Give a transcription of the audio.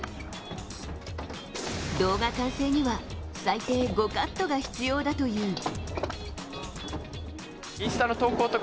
動画完成には最低５カットが必要だという。